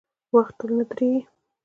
• وخت تل نه درېږي.